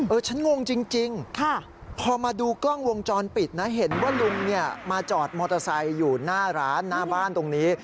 ฉันงงจริงพอมาดูกล้องวงจรปิดนะเห็นว่าลุงเนี่ยมาจอดมอเตอร์ไซค์อยู่หน้าร้านหน้าบ้านตรงนี้